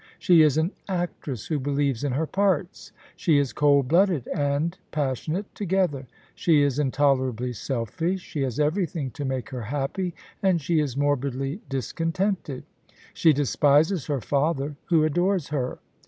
She is an actress who believes in her parts. She is cold blooded and passionate together. She is intolerably selfish ; she has everything to make her happy, and she is morbidly dis contented She despises her father who adores her.